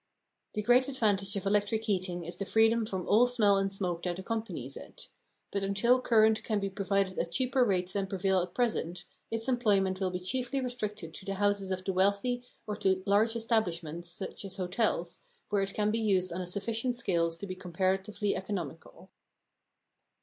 The great advantage of electric heating is the freedom from all smell and smoke that accompanies it. But until current can be provided at cheaper rates than prevail at present, its employment will be chiefly restricted to the houses of the wealthy or to large establishments, such as hotels, where it can be used on a sufficient scale to be comparatively economical.